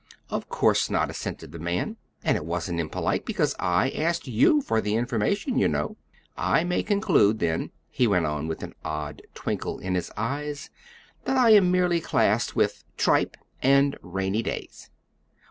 "Of course not," assented the man; "and it wasn't impolite, because I asked you for the information, you know. I may conclude then," he went on with an odd twinkle in his eyes, "that I am merely classed with tripe and rainy days."